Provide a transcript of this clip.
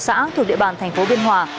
xã thuộc địa bàn tp hải dương